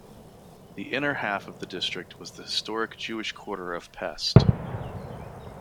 The inner half of the district was the historic Jewish quarter of Pest.